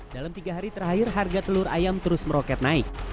dalam tiga hari terakhir harga telur ayam terus meroket naik